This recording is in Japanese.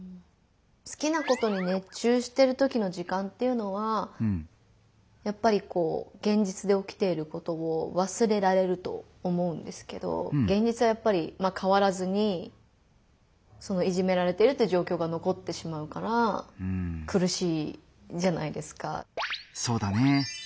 好きなことに熱中してるときの時間っていうのはやっぱりこう現実でおきていることを忘れられると思うんですけど現実はやっぱりまあ変わらずにそのいじめられてるっていう状況がのこってしまうからくるしいじゃないですか。